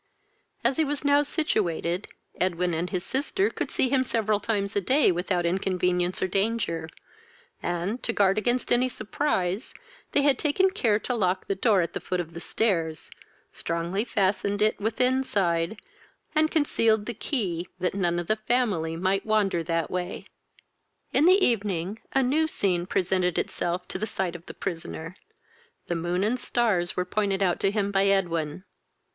As he was now situated, Edwin and his sister could see him several times a day without inconvenience or danger, and, to guard against any surprise, they had taken care to lock the door at the foot of the stairs, strongly fastened it within side, and concealed the key, that none of the family might wander that way. In the evening, a new scene presented itself to the fight of the prisoner, The moon and stars were pointed out to him by Edwin.